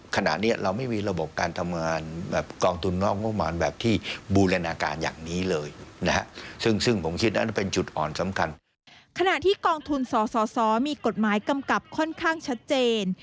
ขณะที่กองทุนสสสมีกฎหมายกำกับค่อนข้างชัดเจน